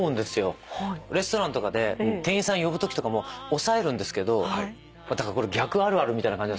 レストランとかで店員さん呼ぶときとかも抑えるんですけどだからこれ逆あるあるみたいな感じですけど。